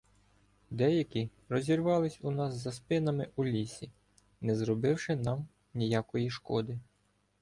Деякі розірвались у нас за спинами у лісі, не зробивши нам ніякої шкоди.